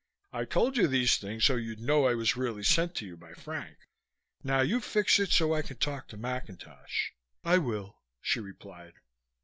I told you these things so you'd know I was really sent to you by Frank. Now you fix it so I can talk to McIntosh." "I will," she replied.